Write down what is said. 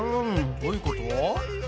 どういうこと？